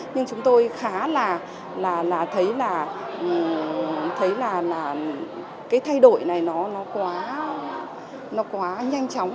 nhưng chúng tôi khá là thấy là cái thay đổi này nó quá nhanh chóng